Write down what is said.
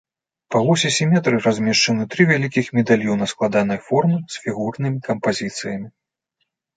Па восі сіметрыі размешчаны тры вялікіх медальёна складанай формы з фігурнымі кампазіцыямі.